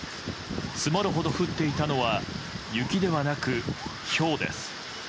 積もるほど降っていたのは雪ではなく、ひょうです。